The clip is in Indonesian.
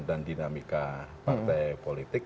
dan dinamika partai politik